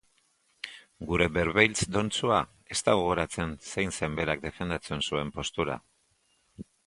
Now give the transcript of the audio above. Gure Berbelitz dontsua ez da gogoratzen zein zen berak defendatzen zuen postura.